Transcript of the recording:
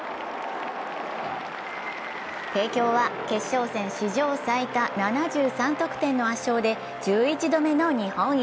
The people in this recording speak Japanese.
帝京は決勝戦史上最多７３得点の圧勝で１１度目の日本一。